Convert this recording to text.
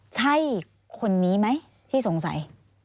ใช่คนนี้ไหมที่สงสัย